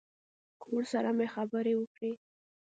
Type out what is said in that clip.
کور سره مې خبرې وکړې.